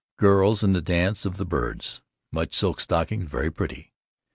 Girls in the dance of the birds. Much silk stockings, very pretty.